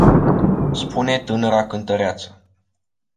Spune tânăra cântăreață.